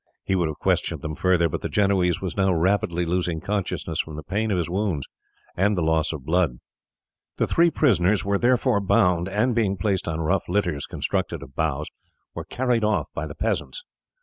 He would have questioned him further, but the Genoese was now rapidly losing consciousness from the pain of his wounds and the loss of blood. The three prisoners were therefore bound, and being placed on rough litters constructed of boughs, were carried off by the peasants.